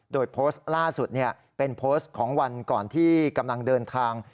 โดยโพสต์ล่าสุดเป็นโพสต์ของวันก่อนที่กำลังเดินทาง